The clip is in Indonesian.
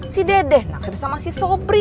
si dedeh naksir sama si sobri